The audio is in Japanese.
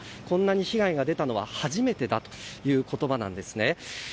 こんなに被害が出たのは初めてだという言葉なんですね。